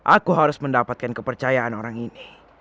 aku harus mendapatkan kepercayaan orang ini